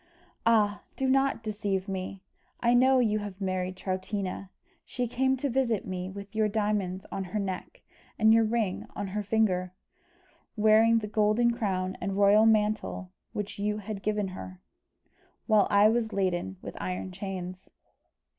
"Ah! do not deceive me. I know you have married Troutina. She came to visit me with your diamonds on her neck, and your ring on her finger, wearing the golden crown and royal mantle which you had given her, while I was laden with iron chains."